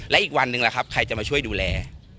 และอีกวันหนึ่งล่ะครับใครจะมาช่วยดูแล